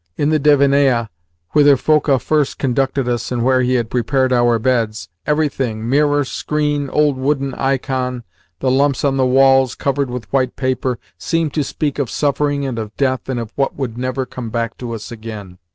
In the divannaia (whither Foka first conducted us, and where he had prepared our beds) everything mirror, screen, old wooden ikon, the lumps on the walls covered with white paper seemed to speak of suffering and of death and of what would never come back to us again.